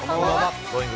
Ｇｏｉｎｇ！